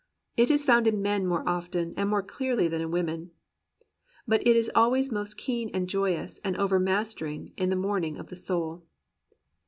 It is found in men more often and more clearly than in women. But it is always most keen and joyous and overmastering in the morning of the soul.